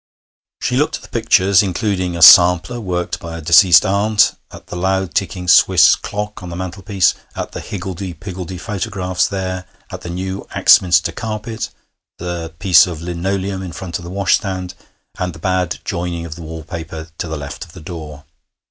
She looked at the pictures, including a sampler worked by a deceased aunt, at the loud ticking Swiss clock on the mantelpiece, at the higgledy piggledy photographs there, at the new Axminster carpet, the piece of linoleum in front of the washstand, and the bad joining of the wallpaper to the left of the door.